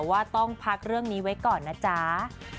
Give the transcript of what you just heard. ว่าต้องพักเรื่องนี้ไว้ก่อนนะจ๊ะ